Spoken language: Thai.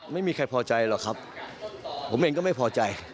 ไม่มีใครพอใจหรอกครับผมเองก็ไม่พอใจ